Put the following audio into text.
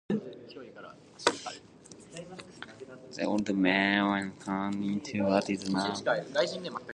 The old gym was turned into what is now the cafeteria.